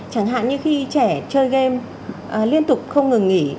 chẳng hạn như khi trẻ chơi game liên tục không ngừng nghỉ